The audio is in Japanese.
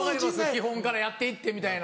基本からやって行ってみたいな。